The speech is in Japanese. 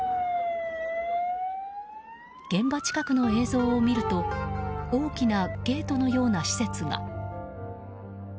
現場近くの映像を見ると大きなゲートのような施設が。